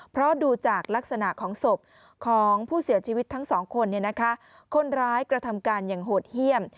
เพราะดูจากลักษณะของศพของผู้เสียชีวิตทั้งสองคนคนร้ายกระทำการอย่างโหดเยี่ยม